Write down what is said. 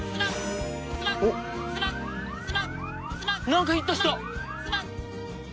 なんかヒットした！